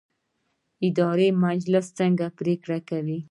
اداري مجلس څه پریکړې کوي؟